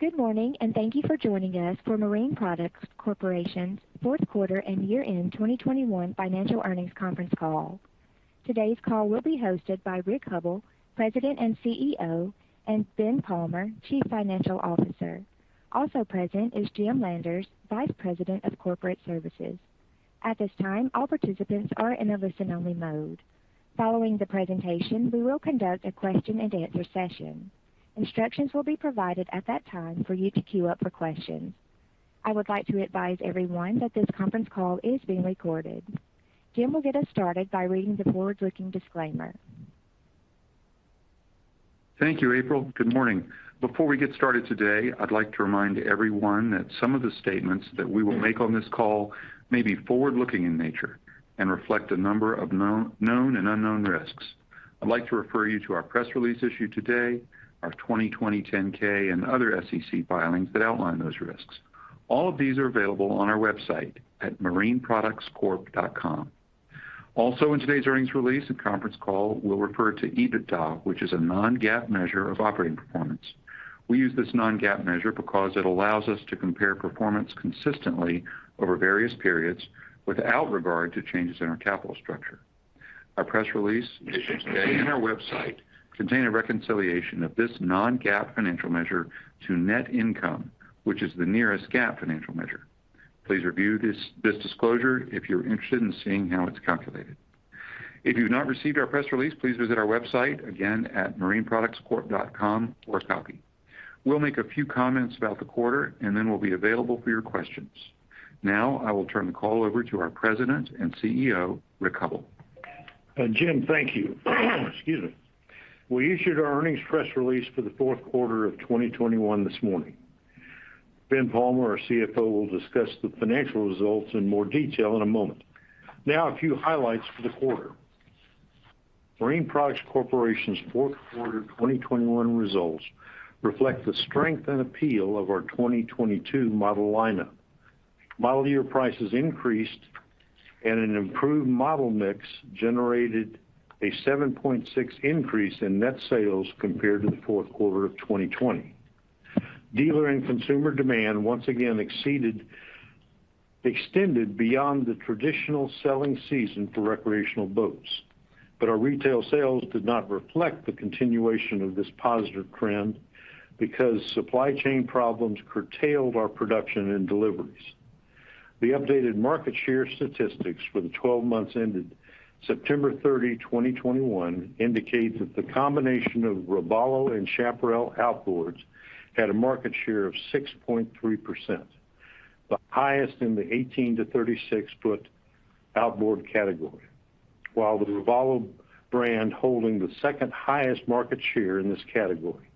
Good morning, and thank you for joining us for Marine Products Corporation's fourth quarter and year-end 2021 financial earnings conference call. Today's call will be hosted by Rick Hubbell, President and CEO, and Ben Palmer, Chief Financial Officer. Also present is Jim Landers, Vice President of Corporate Services. At this time, all participants are in a listen-only mode. Following the presentation, we will conduct a Q&A session. Instructions will be provided at that time for you to queue up for questions. I would like to advise everyone that this conference call is being recorded. Jim will get us started by reading the forward-looking disclaimer. Thank you, April. Good morning. Before we get started today, I'd like to remind everyone that some of the statements that we will make on this call may be forward-looking in nature and reflect a number of known and unknown risks. I'd like to refer you to our press release issued today, our 2020 10-K and other SEC filings that outline those risks. All of these are available on our website at marineproductscorp.com. Also, in today's earnings release and conference call, we'll refer to EBITDA, which is a non-GAAP measure of operating performance. We use this non-GAAP measure because it allows us to compare performance consistently over various periods without regard to changes in our capital structure. Our press release and our website contain a reconciliation of this non-GAAP financial measure to net income, which is the nearest GAAP financial measure. Please review this disclosure if you're interested in seeing how it's calculated. If you've not received our press release, please visit our website, again at marineproductscorp.com for a copy. We'll make a few comments about the quarter, and then we'll be available for your questions. Now I will turn the call over to our President and CEO, Rick Hubbell. Jim, thank you. Excuse me. We issued our earnings press release for the fourth quarter of 2021 this morning. Ben Palmer, our CFO, will discuss the financial results in more detail in a moment. Now a few highlights for the quarter. Marine Products Corporation's fourth quarter 2021 results reflect the strength and appeal of our 2022 model lineup. Model year prices increased and an improved model mix generated a 7.6% increase in net sales compared to the fourth quarter of 2020. Dealer and consumer demand once again extended beyond the traditional selling season for recreational boats. Our retail sales did not reflect the continuation of this positive trend because supply chain problems curtailed our production and deliveries. The updated market share statistics for the 12 months ended September 30, 2021, indicate that the combination of Robalo and Chaparral outboards had a market share of 6.3%, the highest in the 18 ft-36 ft outboard category while the Robalo brand holding the second-highest market share in this category.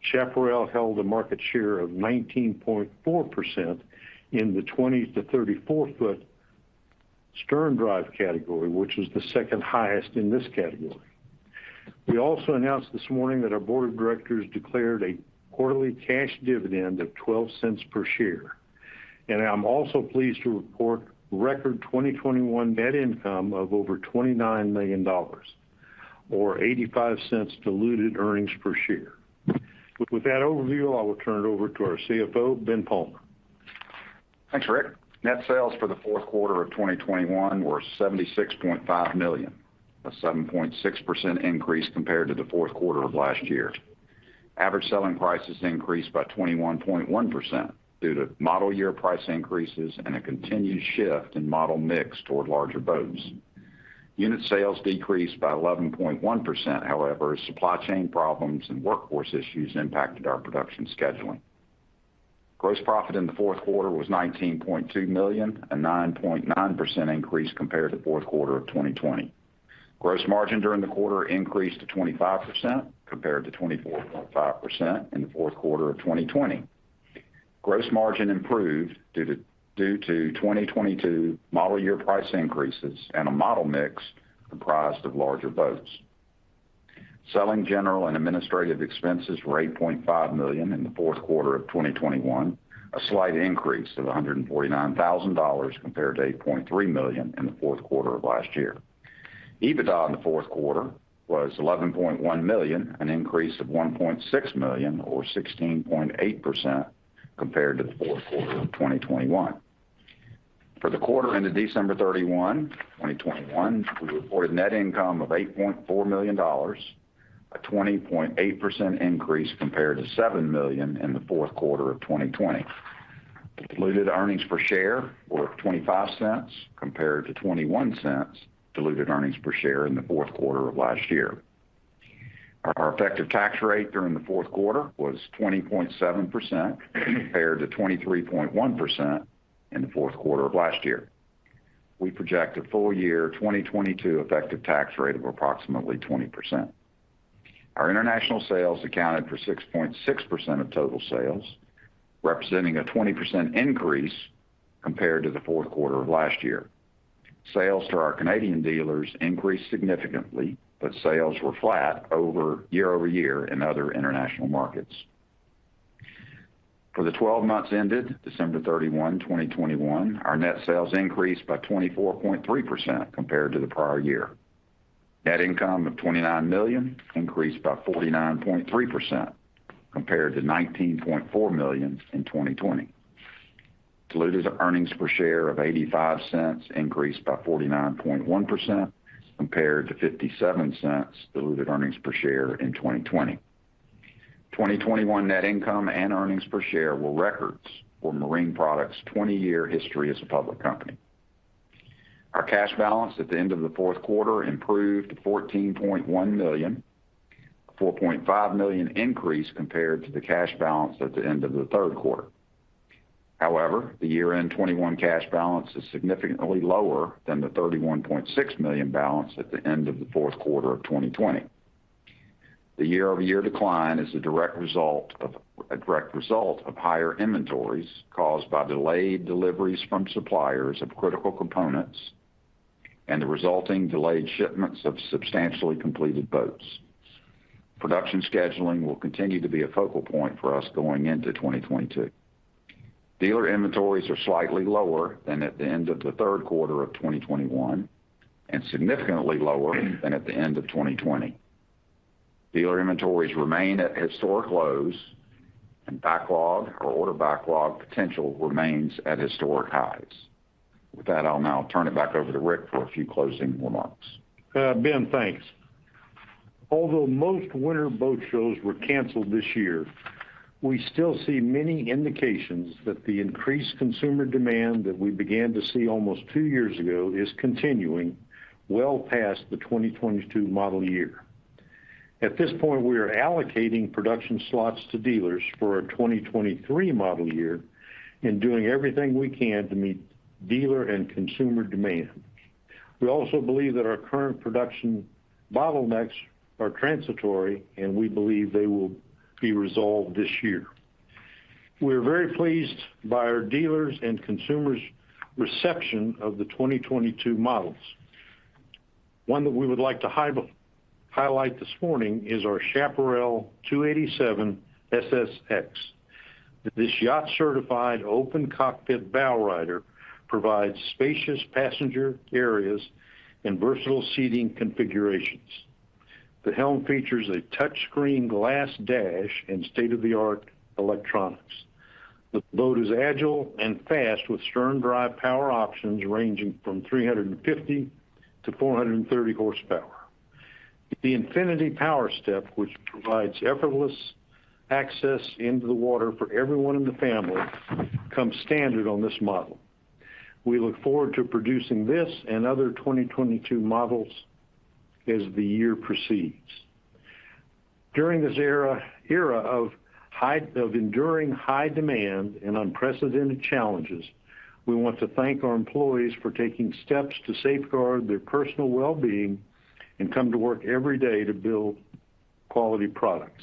Chaparral held a market share of 19.4% in the 20 ft-34 ft sterndrive category, which is the second highest in this category. We also announced this morning that our board of directors declared a quarterly cash dividend of $0.12 per share. I'm also pleased to report record 2021 net income of over $29 million or $0.85 diluted earnings per share. With that overview, I will turn it over to our CFO, Ben Palmer. Thanks, Rick. Net sales for the fourth quarter of 2021 were $76.5 million, a 7.6% increase compared to the fourth quarter of last year. Average selling prices increased by 21.1% due to model year price increases and a continued shift in model mix toward larger boats. Unit sales decreased by 11.1%, however, as supply chain problems and workforce issues impacted our production scheduling. Gross profit in the fourth quarter was $19.2 million, a 9.9% increase compared to fourth quarter of 2020. Gross margin during the quarter increased to 25%, compared to 24.5% in the fourth quarter of 2020. Gross margin improved due to 2022 model year price increases and a model mix comprised of larger boats. Selling, general, and administrative expenses were $8.5 million in the fourth quarter of 2021, a slight increase of $149,000 compared to $8.3 million in the fourth quarter of last year. EBITDA in the fourth quarter was $11.1 million, an increase of $1.6 million or 16.8% compared to the fourth quarter of 2020. For the quarter ended December 31, 2021, we reported net income of $8.4 million, a 20.8% increase compared to $7 million in the fourth quarter of 2020. Diluted earnings per share were $0.25 compared to $0.21 diluted earnings per share in the fourth quarter of last year. Our effective tax rate during the fourth quarter was 20.7% compared to 23.1% in the fourth quarter of last year. We project a full year 2022 effective tax rate of approximately 20%. Our international sales accounted for 6.6% of total sales, representing a 20% increase compared to the fourth quarter of last year. Sales to our Canadian dealers increased significantly, but sales were flat year-over-year in other international markets. For the 12 months ended December 31, 2021, our net sales increased by 24.3% compared to the prior year. Net income of $29 million increased by 49.3% compared to $19.4 million in 2020. Diluted earnings per share of $0.85 increased by 49.1% compared to $0.57 diluted earnings per share in 2020. 2021 net income and earnings per share were records for Marine Products' 20-year history as a public company. Our cash balance at the end of the fourth quarter improved to $14.1 million, a $4.5 million increase compared to the cash balance at the end of the third quarter. However, the year-end 2021 cash balance is significantly lower than the $31.6 million balance at the end of the fourth quarter of 2020. The year-over-year decline is a direct result of higher inventories caused by delayed deliveries from suppliers of critical components and the resulting delayed shipments of substantially completed boats. Production scheduling will continue to be a focal point for us going into 2022. Dealer inventories are slightly lower than at the end of the third quarter of 2021 and significantly lower than at the end of 2020. Dealer inventories remain at historic lows, and backlog or order backlog potential remains at historic highs. With that, I'll now turn it back over to Rick for a few closing remarks. Ben, thanks. Although most winter boat shows were canceled this year, we still see many indications that the increased consumer demand that we began to see almost two years ago is continuing well past the 2022 model year. At this point, we are allocating production slots to dealers for our 2023 model year and doing everything we can to meet dealer and consumer demand. We also believe that our current production bottlenecks are transitory, and we believe they will be resolved this year. We're very pleased by our dealers' and consumers' reception of the 2022 models. One that we would like to highlight this morning is our Chaparral 287 SSX. This yacht-certified open cockpit bowrider provides spacious passenger areas and versatile seating configurations. The helm features a touchscreen glass dash and state-of-the-art electronics. The boat is agile and fast, with stern drive power options ranging from 350-430 horsepower. The Infinity Power Step, which provides effortless access into the water for everyone in the family, comes standard on this model. We look forward to producing this and other 2022 models as the year proceeds. During this era of enduring high demand and unprecedented challenges, we want to thank our employees for taking steps to safeguard their personal well-being and come to work every day to build quality products.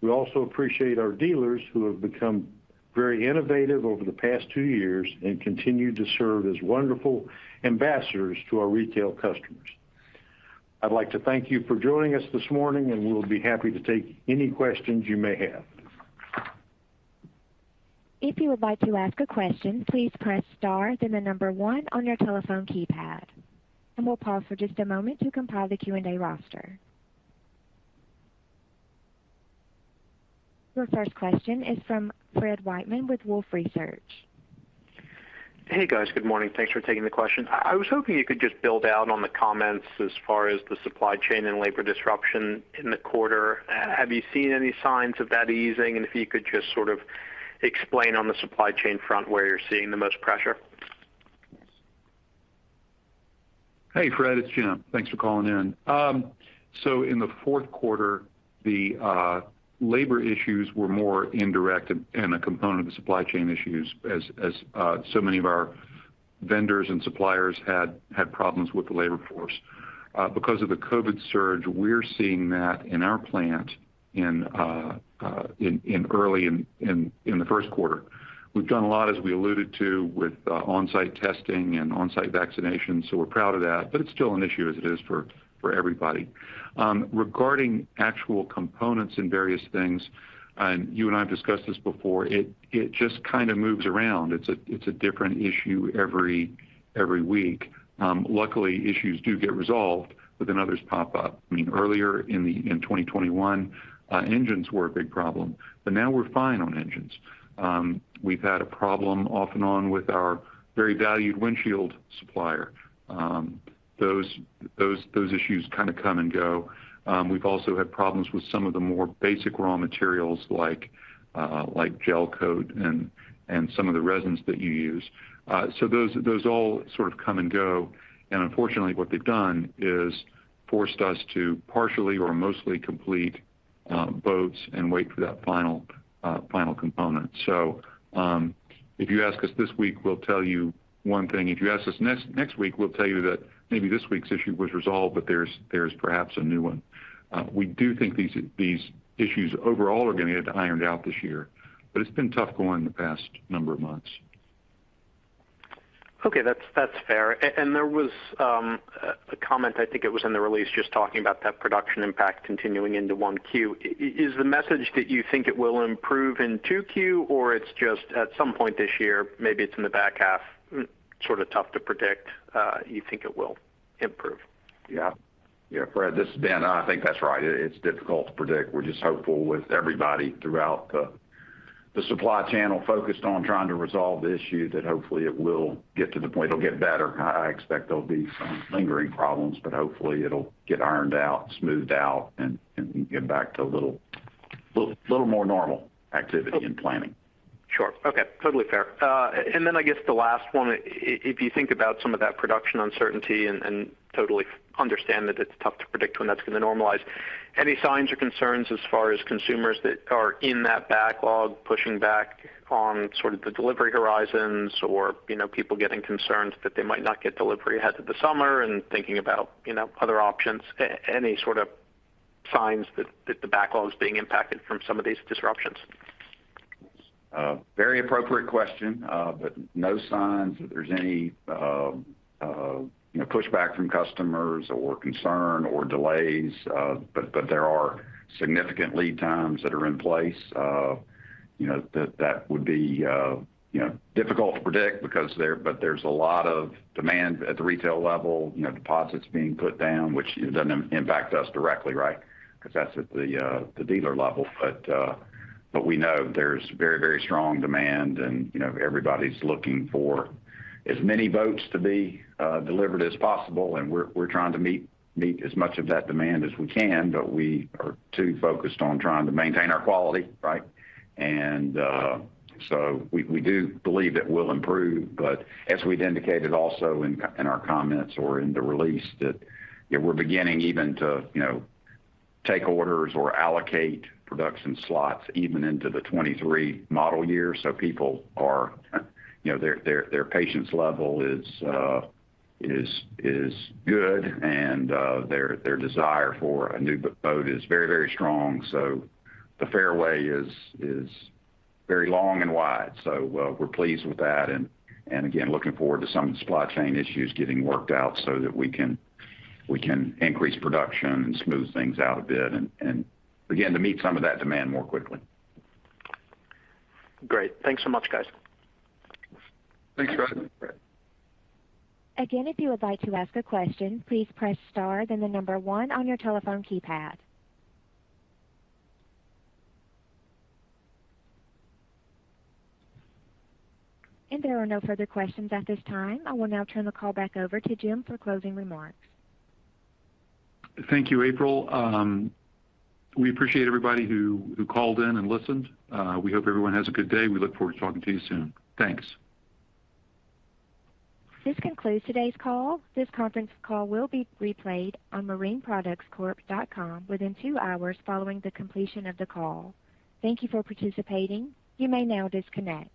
We also appreciate our dealers who have become very innovative over the past two years and continue to serve as wonderful ambassadors to our retail customers. I'd like to thank you for joining us this morning, and we'll be happy to take any questions you may have. We'll pause for just a moment to compile the Q&A roster. Your first question is from Fred Wightman with Wolfe Research. Hey, guys. Good morning. Thanks for taking the question. I was hoping you could just build out on the comments as far as the supply chain and labor disruption in the quarter. Have you seen any signs of that easing? And if you could just sort of explain on the supply chain front where you're seeing the most pressure. Hey, Fred, it's Jim. Thanks for calling in. In the fourth quarter, the labor issues were more indirect and a component of supply chain issues as so many of our vendors and suppliers had problems with the labor force. Because of the COVID surge, we're seeing that in our plant in early in the first quarter. We've done a lot, as we alluded to, with on-site testing and on-site vaccinations, so we're proud of that, but it's still an issue as it is for everybody. Regarding actual components and various things, you and I have discussed this before. It just kind of moves around. It's a different issue every week. Luckily, issues do get resolved, but then others pop up. I mean, earlier in 2021, engines were a big problem, but now we're fine on engines. We've had a problem off and on with our very valued windshield supplier. Those issues kind of come and go. We've also had problems with some of the more basic raw materials like gel coat and some of the resins that you use. Those all sort of come and go. Unfortunately, what they've done is forced us to partially or mostly complete boats and wait for that final component. If you ask us this week, we'll tell you one thing. If you ask us next week, we'll tell you that maybe this week's issue was resolved, but there's perhaps a new one. We do think these issues overall are gonna get ironed out this year, but it's been tough going the past number of months. Okay, that's fair. There was a comment, I think it was in the release, just talking about that production impact continuing into 1Q. Is the message that you think it will improve in 2Q or it's just at some point this year, maybe it's in the back half, sort of tough to predict, you think it will improve? Yeah. Yeah, Fred, this is Ben. I think that's right. It's difficult to predict. We're just hopeful with everybody throughout the supply channel focused on trying to resolve the issue that hopefully it will get to the point it'll get better. I expect there'll be some lingering problems, but hopefully it'll get ironed out, smoothed out, and get back to a little more normal activity and planning. Sure. Okay. Totally fair. I guess the last one. If you think about some of that production uncertainty and totally understand that it's tough to predict when that's gonna normalize, any signs or concerns as far as consumers that are in that backlog pushing back on sort of the delivery horizons or, you know, people getting concerned that they might not get delivery ahead of the summer and thinking about, you know, other options. Any sort of signs that the backlog is being impacted from some of these disruptions? Very appropriate question. No signs that there's any, you know, pushback from customers or concern or delays. There are significant lead times that are in place. You know, that would be, you know, difficult to predict. There's a lot of demand at the retail level. You know, deposits being put down, which doesn't impact us directly, right? Because that's at the dealer level. We know there's very, very strong demand and, you know, everybody's looking for as many boats to be delivered as possible, and we're trying to meet as much of that demand as we can. We are too focused on trying to maintain our quality, right? We do believe it will improve. As we've indicated also in our comments or in the release that, you know, we're beginning even to, you know, take orders or allocate production slots even into the 2023 model year. People are you know, their patience level is good and their desire for a new boat is very, very strong. The fairway is very long and wide. We're pleased with that and again, looking forward to some of the supply chain issues getting worked out so that we can increase production and smooth things out a bit and begin to meet some of that demand more quickly. Great. Thanks so much, guys. Thanks, Fred. Again, if you would like to ask a question, please press star then the number one on your telephone keypad. There are no further questions at this time. I will now turn the call back over to Jim for closing remarks. Thank you, April. We appreciate everybody who called in and listened. We hope everyone has a good day. We look forward to talking to you soon. Thanks. This concludes today's call. This conference call will be replayed on marineproductscorp.com within two hours following the completion of the call. Thank you for participating. You may now disconnect.